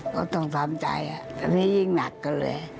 ก็ต้องทำใจอันนี้ยิ่งหนักกันเลย